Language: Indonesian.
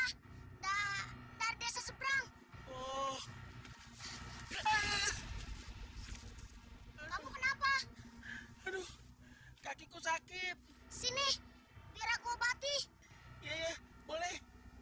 hai oh kamu kenapa aduh kaki ku sakit sini biar aku obati boleh